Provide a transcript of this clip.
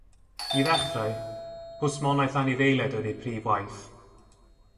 I ddechrau, hwsmonaeth anifeiliaid oedd eu prif waith.